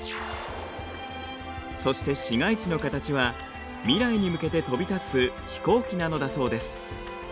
そして市街地の形は未来に向けて飛び立つ飛行機なのだそうです。